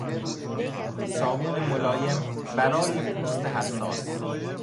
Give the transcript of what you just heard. صابون ملایم برای پوست حساس